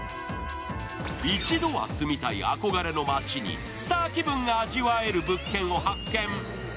一度は住みたい憧れの街にスター気分が味わえる物件を発見。